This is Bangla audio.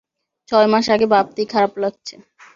ছয় মাস আগে ভাবতেই খারাপ লাগছে।